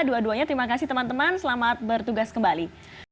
dua duanya terima kasih teman teman selamat bertugas kembali